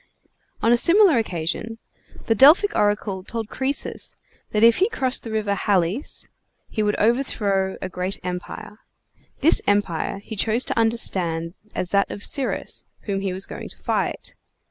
On a similar occasion, the Delphic oracle told Croesus that if he crossed the River Halys he would overthrow a great empire. This empire he chose to understand as that of Cyrus, whom he was going to fight.